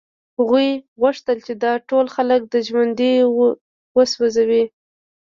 هغوی غوښتل چې دا ټول خلک ژوندي وسوځوي